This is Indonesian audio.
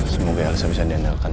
semoga elsa bisa diandalkan